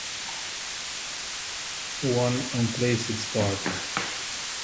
One unplaced start.